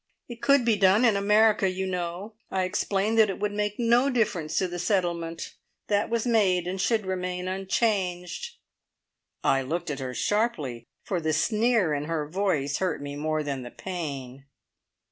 It could be done in America, you know. I explained that it would make no difference to the settlement. That was made, and should remain unchanged!" I looked at her sharply, for the sneer in her voice hurt me more than the pain.